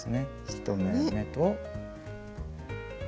１目めと。